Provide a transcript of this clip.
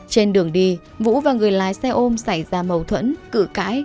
trên đường đi vũ và người lái xe ôm xảy ra mâu thuẫn cự cãi